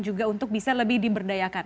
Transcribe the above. juga untuk bisa lebih diberdayakan